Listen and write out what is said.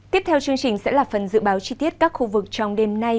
tiếp theo chương trình sẽ là phần dự báo chi tiết các khu vực trong đêm nay